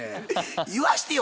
言わしてよ